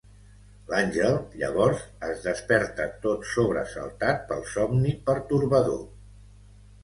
L'Angel, llavors, es desperta tot sobresaltat pel somni pertorbador.